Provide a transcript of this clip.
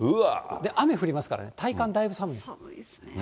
雨降りますからね、体感だいぶ寒い。